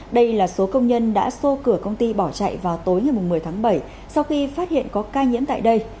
đây là số công nhân đã xô cửa công ty bỏ chạy vào tối ngày một mươi tháng bảy sau khi phát hiện có ca nhiễm tại đây